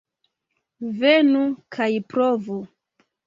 Venu kaj provu!